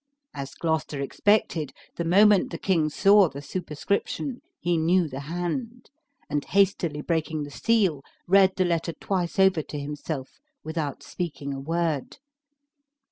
As Gloucester expected, the moment the king saw the superscription, he knew the hand; and hastily breaking the seal, read the letter twice over to himself without speaking a word.